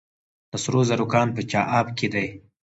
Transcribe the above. د سرو زرو کان په چاه اب کې دی